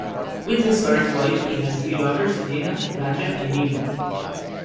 With his current wife, he has three daughters: Nina, Vanja, and Mimi.